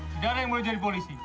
tidak ada yang boleh jadi polisi